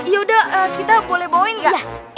ya udah kita boleh bawa ini gak